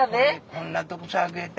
こんなとこさ上げた？